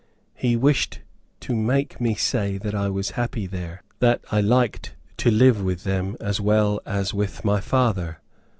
He wished to make me say that I was happy there, that I liked to live with them as well as with my father.